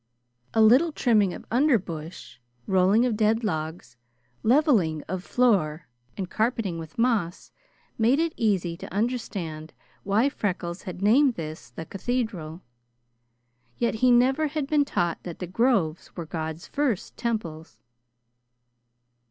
A little trimming of underbush, rolling of dead logs, levelling of floor and carpeting with moss, made it easy to understand why Freckles had named this the "cathedral"; yet he never had been taught that "the groves were God's first temples."